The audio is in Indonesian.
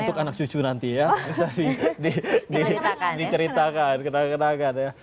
untuk anak cucu nanti ya bisa sih diceritakan